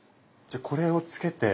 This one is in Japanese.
じゃこれをつけて。